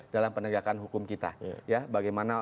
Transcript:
dalam penegakan hukum kita